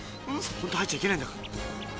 ホントは入っちゃいけないんだから。